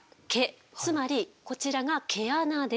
つまりこちらが毛穴です。